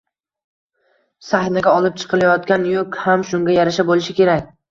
Sahnaga olib chiqilayotgan yuk ham shunga yarasha bo‘lishi kerak